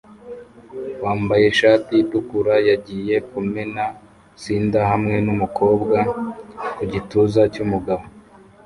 wambaye ishati itukura yagiye kumena cinder hamwe numukobwa ku gituza cyumugabo